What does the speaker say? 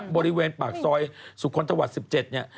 บริเวณปากซอยสุคลสวรรค์๑๗เนี่ย